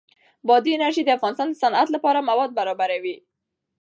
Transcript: بادي انرژي د افغانستان د صنعت لپاره مواد برابروي.